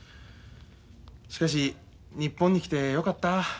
しかし日本に来てよかった。